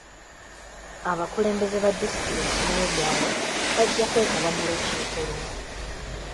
Abakulembeze ba disitulikiti n'ebyalo bajja kwetaba mu lukiiko luno.